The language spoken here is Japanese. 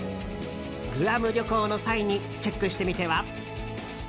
グアム旅行の際にチェックしてみては？